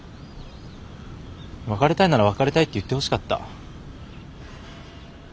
別れたいなら別れたいって言ってほしかった。